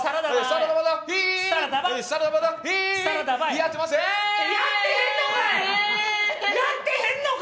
やってへんのかい！